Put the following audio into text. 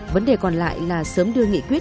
vấn đề còn lại là sớm đưa nghị quyết